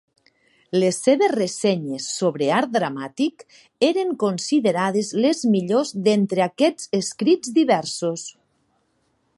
Les seves ressenyes sobre art dramàtic eren considerades les millors d'entre aquests escrits diversos.